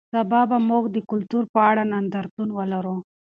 سبا به موږ د کلتور په اړه نندارتون ولرو.